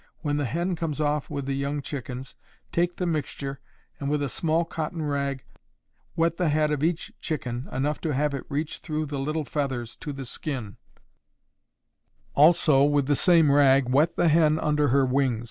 When the hen comes off with the young chickens, take the mixture, and with a small cotton rag, wet the head of each chicken enough to have it reach through the little feathers to the skin; also, with the same rag, wet the hen under her wings.